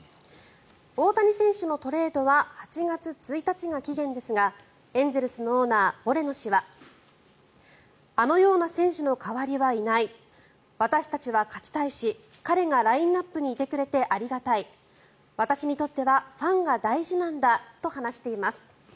大谷選手のトレードは８月１日が期限ですがエンゼルスのオーナーモレノ氏はあのような選手の代わりはいない私たちは勝ちたいし彼がラインアップにいてくれてありがたい私にとってはファンが大事なんだと話しています。